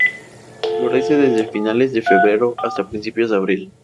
Florece desde finales de febrero hasta principios de abril.